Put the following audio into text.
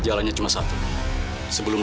jalannya cuma satu